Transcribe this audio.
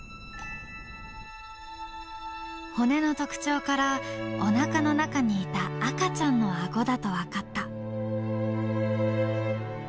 骨の特徴からおなかの中にいた赤ちゃんのあごだと分かった。